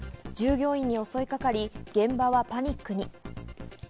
従業員に襲いかかり、現場はパニックに。